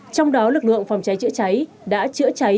trong đó lực lượng phòng cháy chữa cháy đã chữa cháy